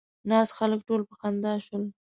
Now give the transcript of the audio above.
ناست خلک ټول په خندا شول.